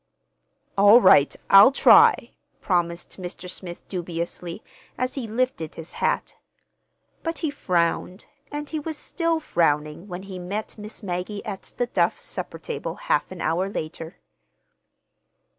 "All right, I'll try," promised Mr. Smith dubiously, as he lifted his hat. But he frowned, and he was still frowning when he met Miss Maggie at the Duff supper table half an hour later.